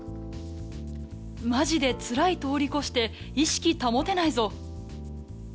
まじでつらい通り越して、意識保てないぞ。